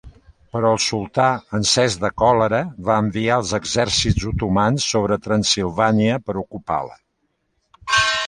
Però el sultà, encès de còlera, va enviar els exèrcits otomans sobre Transsilvània per ocupar-la.